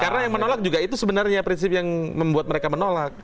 karena yang menolak juga itu sebenarnya prinsip yang membuat mereka menolak